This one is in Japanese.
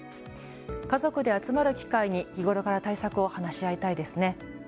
家族で集まる機会に日頃から対策を話し合いたいですね。